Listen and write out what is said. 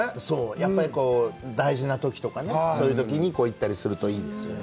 やっぱり大事なときとかね、そういうときに行ったりするといいですよね。